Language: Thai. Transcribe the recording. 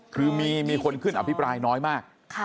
คือมีคนขึ้นอภิปรายน้อยมาก